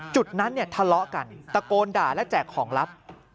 จุดนั้นเนี่ยทะเลาะกันตะโกนด่าและแจกของลับ